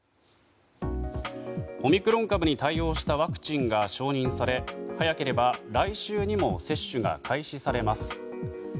オミクロン株に対応したワクチンが承認され早ければ来週にも接種が開始されます。